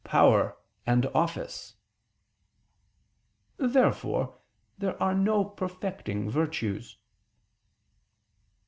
power and office." Therefore there are no "perfecting" virtues.